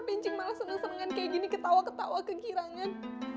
tapi cing malah seneng senengan kayak gini ketawa ketawa kegirangan